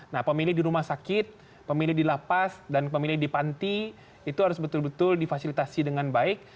nah pemilih di rumah sakit pemilih di lapas dan pemilih di panti itu harus betul betul difasilitasi dengan baik